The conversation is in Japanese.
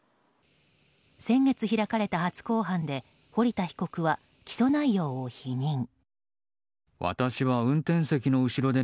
先月開かれた初公判で堀田被告は起訴内容を否認。